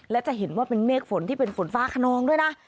และจะเห็นว่าเป็นเมฆฝนที่เป็นฝนฟ้าขนองด้วยนะ